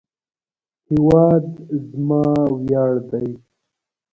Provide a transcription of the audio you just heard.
هیواد زما ویاړ دی